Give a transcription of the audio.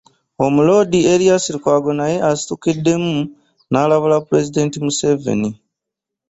Omuloodi Erias Lukwago naye asitukiddemu n'alabula pulezidenti Museveni.